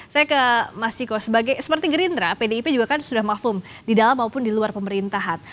saya ke mas ciko seperti gerindra pdip juga kan sudah mafum di dalam maupun di luar pemerintahan